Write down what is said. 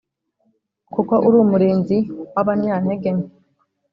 kuko uri umurinzi w’abanyantegenke,